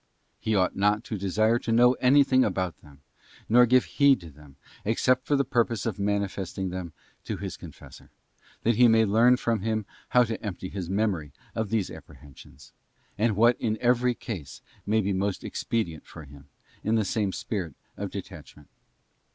He ought not to desire to know anything about them, nor give heed to them, except for the purpose of manifesting them to his confessor, that he may learn from him how to empty his memory of these apprehensions, or what in every case may be most expedient for him, in the same spirit of detachment.